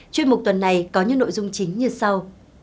chuyên mục tuần này có những nội dung chính như sau